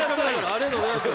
ありがとうございます！